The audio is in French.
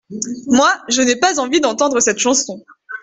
Moi, je n’ai pas envie d’entendre cette chanson.